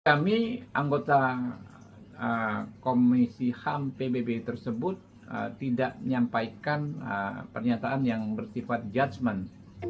kami anggota komisi ham pbb tersebut tidak menyampaikan pernyataan yang bersifat judgement